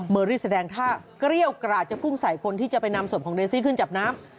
อรี่แสดงท่าเกรี้ยวกราดจะพุ่งใส่คนที่จะไปนำศพของเรซี่ขึ้นจับน้ำ